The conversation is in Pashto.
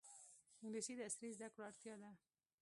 انګلیسي د عصري زده کړو اړتیا ده